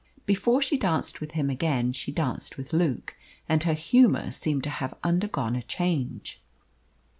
Before she danced with him again, she danced with Luke, and her humour seemed to have undergone a change.